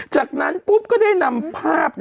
จากนั้นปุ๊บก็ได้นำภาพ